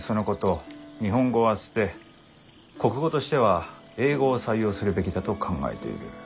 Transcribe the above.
日本語は捨て国語としては英語を採用するべきだと考えている。